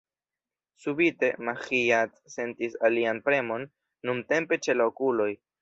Subite, Maĥiac sentis alian premon, nuntempe ĉe la okuloj.